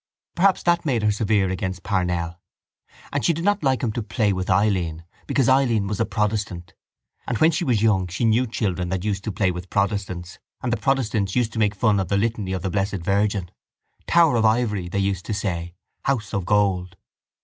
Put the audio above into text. Perhaps that made her severe against Parnell. And she did not like him to play with Eileen because Eileen was a protestant and when she was young she knew children that used to play with protestants and the protestants used to make fun of the litany of the Blessed Virgin. Tower of Ivory, they used to say, _House of Gold!